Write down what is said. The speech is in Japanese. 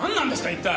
一体。